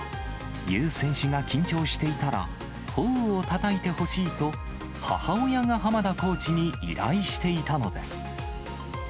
ユ選手が緊張していたら、ほおをたたいてほしいと、母親が濱田コーチに依頼していたのです。